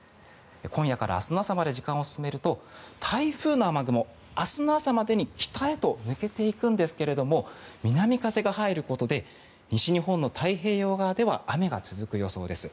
今夜から明日の朝まで時間を進めると台風の雨雲、明日の朝までに北へと抜けていくんですが南風が入ることで西日本の太平洋側では雨が続く予想です。